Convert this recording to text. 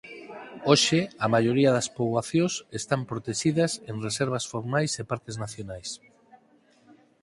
Hoxe a maioría das poboacións están protexidas en reservas formais e parques nacionais.